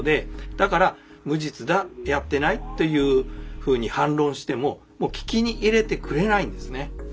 だから無実だやってないというふうに反論してももう聞き入れてくれないんですね。